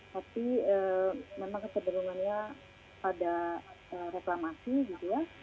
tapi memang kecenderungannya pada reklamasi gitu ya